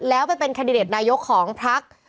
แล้วไปเป็นแคนดิเดตนายกของพัก